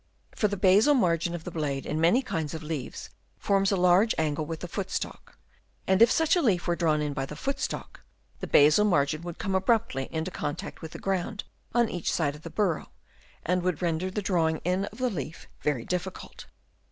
For the basal margin of the blade in many kinds of leaves forms a large angle with the foot stalk ; and if such a leaf were drawn in by the foot stalk, the basal margin would come abruptly into contact with the ground on each side of the burrow, and would render the drawing in of the leaf very difficult.